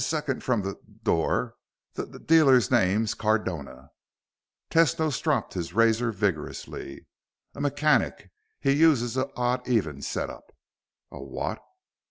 "S second from the d door. The d dealer's name's Cardona." Tesno stropped his razor vigorously. "A mechanic. He uses an odd even setup." "A what?"